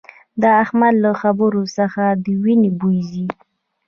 د احمد له خبرو څخه د وينې بوي ځي